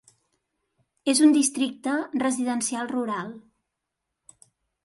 És un districte residencial rural.